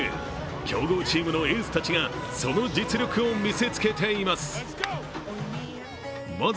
強豪チームのエースたちがその実力を見せつけています。